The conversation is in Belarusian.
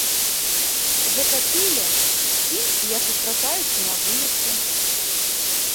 Гэта тыя, з кім я сустракаюся на вуліцы.